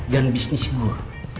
dan bisnis gua